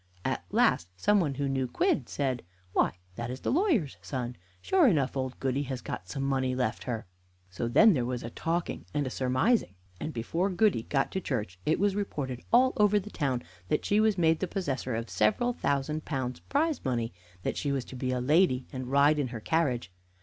At last some one who knew Quidd said: "Why, that is the lawyer's son. Sure enough old Goody has got some money left her." So then there was a talking and surmising, and before Goody got to church it was reported all over the town that she was made the possessor of several thousand pounds prize money; that she was to be a lady, and ride in her carriage.